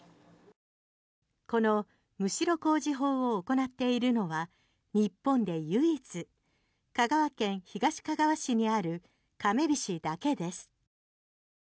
このむしろ麹法行っているのは日本で唯一香川県東かがわ市にあるかめびしだけです。